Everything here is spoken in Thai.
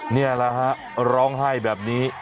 นี่แหละฮะร้องไห้แบบนี้